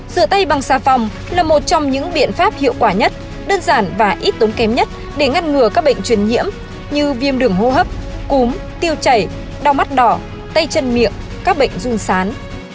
rửa tay bằng xà phòng là một trong những biện pháp hiệu quả nhất đơn giản và ít tốn kém nhất để ngăn ngừa các bệnh truyền nhiễm như viêm đường hô hấp cúm tiêu chảy đau mắt đỏ tay chân miệng các bệnh run sán